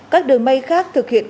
các đường bay khác thực hiện